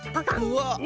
うわっ！